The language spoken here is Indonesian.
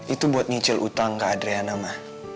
itu buat nyicil utang ke adriana ma